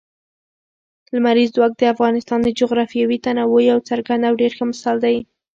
لمریز ځواک د افغانستان د جغرافیوي تنوع یو څرګند او ډېر ښه مثال دی.